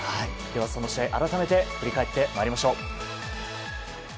その試合、改めて振り返ってまいりましょう。